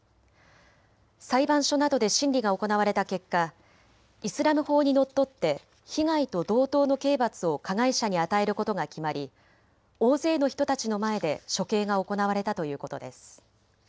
裁判所などで審理が行われた結果、イスラム法にのっとって被害と同等の刑罰を加害者に与えることが決まり大勢の人たちの前で処刑が行われたということです。